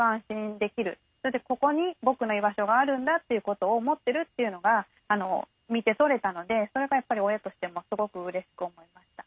ここに僕の居場所があるんだっていうことを思ってるっていうのが見て取れたのでそれがやっぱり親としてもすごくうれしく思いました。